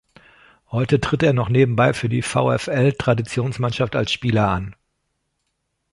Heute tritt er noch nebenbei für die VfL-Traditionsmannschaft als Spieler an.